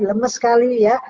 lemes sekali ya